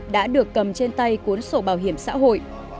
đã được cầm trên tay cuốn sổ bảo hiểm xã hội